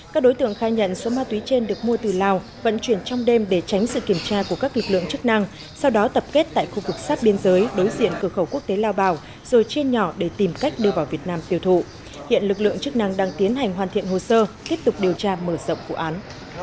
các đối tượng khai nhận số ma túy trên được mua từ lào vận chuyển trong đêm để tránh sự kiểm tra của các lực lượng chức năng sau đó tập kết tại khu vực sát biên giới đối diện cửa khẩu quốc tế lao bảo rồi trên nhỏ để tìm cách đưa vào việt nam tiêu thụ hiện lực lượng chức năng đang tiến hành hoàn thiện hồ sơ tiếp tục điều tra mở rộng vụ án